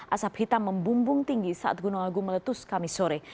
asap hitam membumbung tinggi saat gunung agung meletus kami sore